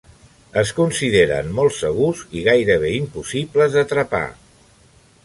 Es consideren molt segurs i gairebé impossibles d'atrapar.